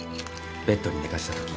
ベッドに寝かせたとき。